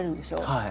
はい。